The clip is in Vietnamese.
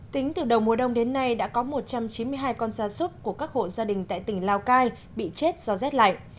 tính từ đầu mùa đông đến nay đã có một trăm chín mươi hai con gia súc của các hộ gia đình tại tỉnh lào cai bị chết do rét lạnh